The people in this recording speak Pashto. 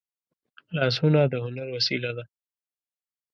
لاسونه د هنر وسیله ده